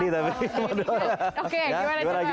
biar mandi tapi